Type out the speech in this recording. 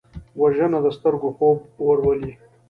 وژنه د سترګو خوب ورولي